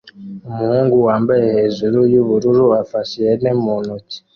Umuhungu wambaye hejuru yubururu afashe ihene mu ntoki